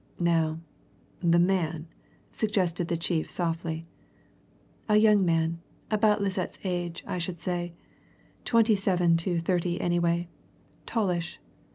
"Now the man," suggested the chief softly. "A young man about Lisette's age, I should say twenty seven to thirty anyway. Tallish.